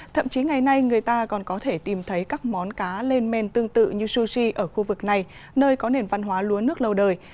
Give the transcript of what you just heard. thậm chí ngày nay người ta còn có thể tìm thấy các món cá lên men tương tự như sushi ở khu vực này nơi có nền văn hóa lúa nước lâu đời